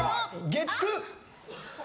月９！